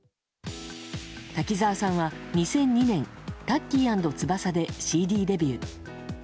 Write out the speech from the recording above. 滝沢さんは２００２年タッキー＆翼でＣＤデビュー。